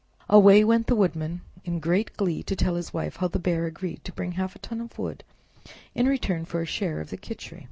Away went the Woodman in great glee to tell his Wife how the Bear had agreed to bring half a ton of wood in return for a share of the Khichri.